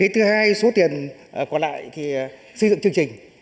thứ hai số tiền còn lại xây dựng chương trình